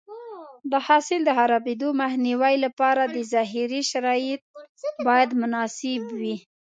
د حاصل د خرابېدو مخنیوي لپاره د ذخیرې شرایط باید مناسب وي.